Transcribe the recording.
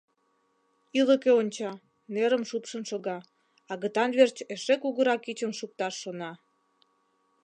Ӱлыкӧ онча, нерым шупшын шога, агытан верч эше кугурак ӱчым шукташ шона.